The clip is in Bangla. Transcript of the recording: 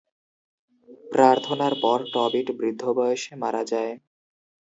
প্রার্থনার পর, টবিট বৃদ্ধ বয়সে মারা যায়।